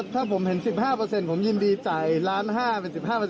ถ้าผมเห็น๑๕ผมยินดีจ่ายล้าน๕เป็น๑๕